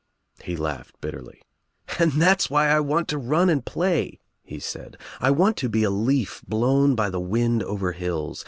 I He laughed bitterly. "And that's why I want to I run and play," he said. "I want to be a leaf blown by the wind over hills.